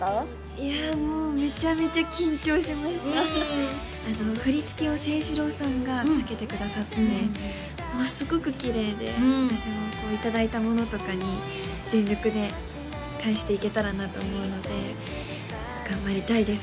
いやもうめちゃめちゃ緊張しました振り付けをＳｅｉｓｈｉｒｏさんが付けてくださってもうすごくきれいで私もいただいたものとかに全力で返していけたらなと思うので頑張りたいです